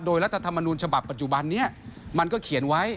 โดยรัฐธรรมนูญฉบับปัจจุบันนี้มันก็เขียนไว้